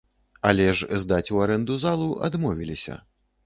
Але ж здаць ў арэнду залу адмовіліся.